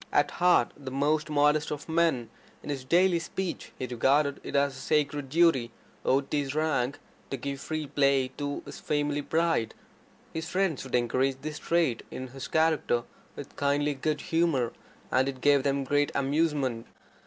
At heart the most modest of men, in his daily speech he regarded it as a sacred duty, owed to his rank, to give free play to his family pride. His friends would encourage this trait in his character with kindly good humour, and it gave them great amusement.